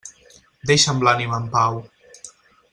Deixa'm l'ànima en pau.